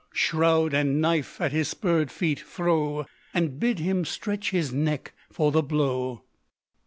_ Shroud and knife at his spurred feet throw, _And bid him stretch his neck for the blow!